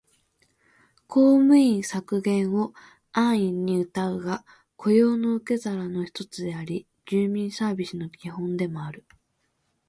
公務員削減を安易にうたうが、雇用の受け皿の一つであり、住民サービスの基本でもある